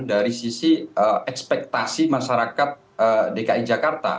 dari sisi ekspektasi masyarakat dki jakarta